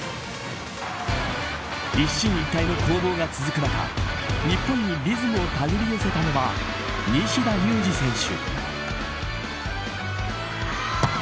一進一退の攻防が続く中日本にリズムをたぐり寄せたのは西田有志選手。